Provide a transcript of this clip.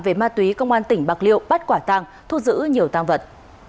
về ma túy công an tỉnh bạc liệu bắt quả tàng thu giữ nhiều tàng vật